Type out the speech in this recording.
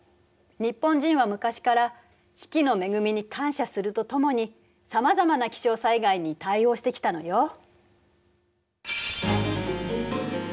日本人は昔から四季の恵みに感謝するとともにさまざまな気象災害に対応してきたのよ。